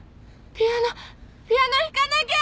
ピアノピアノ弾かなきゃ！